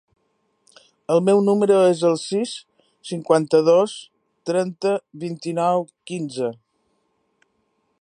El meu número es el sis, cinquanta-dos, trenta, vint-i-nou, quinze.